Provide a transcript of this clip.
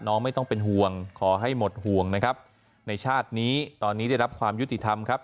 ไม่ต้องเป็นห่วงขอให้หมดห่วงนะครับในชาตินี้ตอนนี้ได้รับความยุติธรรมครับ